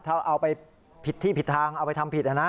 ถ้าเอาไปผิดที่ผิดทางเอาไปทำผิดนะ